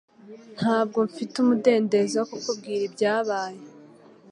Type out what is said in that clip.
Ntabwo mfite umudendezo wo kukubwira ibyabaye